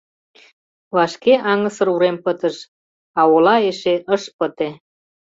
Вашке аҥысыр урем пытыш, а ола эше ыш пыте.